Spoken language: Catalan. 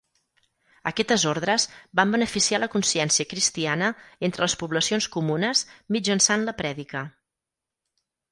Aquestes ordres van beneficiar la consciència cristiana entre les poblacions comunes mitjançant la prèdica.